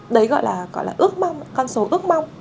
đấy gọi là ước mong con số ước mong